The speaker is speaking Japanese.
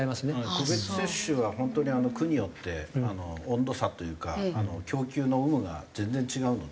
個別接種は本当に区によって温度差というか供給の有無が全然違うので。